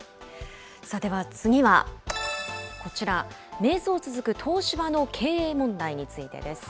では次は、こちら、迷走続く東芝の経営問題についてです。